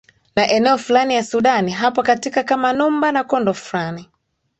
na eneo fulani ya sudan hapo katika kama numba na kondo fran